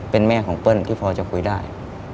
เป็นแม่ของเปิ้ลที่พอจะคุยได้